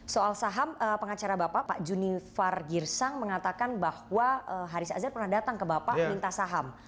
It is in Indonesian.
soal saham pengacara bapak pak junifar girsang mengatakan bahwa haris azhar pernah datang ke bapak minta saham